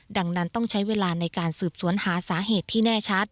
ดังนั้นต้องใช้เวลาในการสืบสวนหาสาเหตุที่แน่ชัด